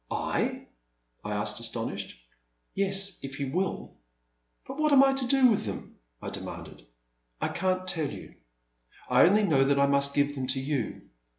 '*!?'* I asked astonished. *'Yes, if you will. '' But what am I to do with them?*' I de manded. *' I can*t tell you ; I only know that I must give them to you.